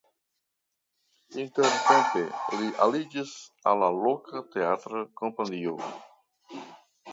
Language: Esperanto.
Intertempe li aliĝis al la loka teatra kompanio.